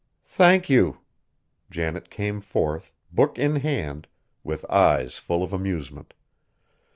"Thank you." Janet came forth, book in hand, with eyes full of amusement.